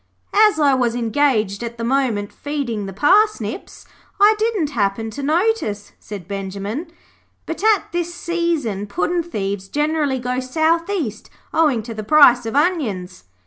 'As I was engaged at the moment feeding the parsnips, I didn't happen to notice,' said Benjimen. 'But at this season puddin' thieves generally go south east, owing to the price of onions.'